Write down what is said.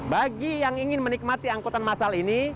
bagi yang ingin menikmati angkutan masal ini